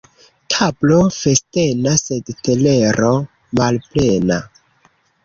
Tablo festena, sed telero malplena.